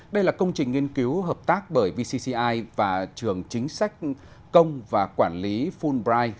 đây là công trình nghiên cứu hợp tác bởi vcci và trường chính sách công và quản lý fulbright